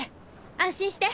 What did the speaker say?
安心して！